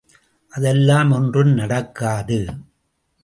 அதெல்லாம் ஒன்றும் நடக்காது.